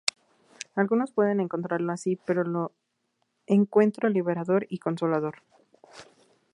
Algunos pueden encontrarlo así, pero lo encuentro liberador y consolador.